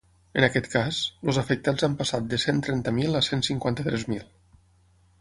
En aquest cas, els afectats han passat de cent trenta mil a cent cinquanta-tres mil.